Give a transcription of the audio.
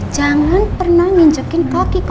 jangan pernah nginjekin kaki kamu